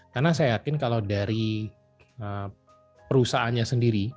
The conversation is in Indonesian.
karena saya yakin kalau dari perusahaannya sendiri